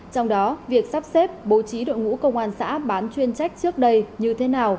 trong đó việc sắp xếp bố trí đội ngũ công an xã bán chuyên trách trước đây như thế nào